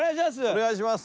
お願いします